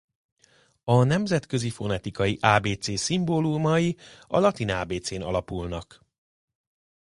A nemzetközi fonetikai ábécé szimbólumai a latin ábécén alapulnak.